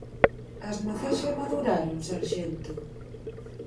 As mazás xa maduraron, sarxento?